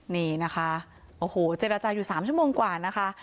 นี่นะคะโอ้โหเจรจาอยู่๓ชั่วโมงกว่านะคะ